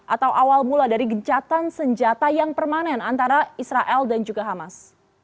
atau awal mula dari gencatan senjata yang permanen antara israel dan juga hamas